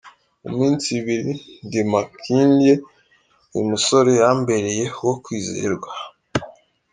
Mu minsi ibiri ndi Makindye, uyu musore yambereye uwo kwizerwa.